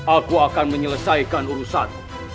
aku akan menyelesaikan urusan